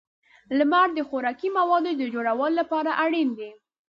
• لمر د خوراکي موادو د جوړولو لپاره اړین دی.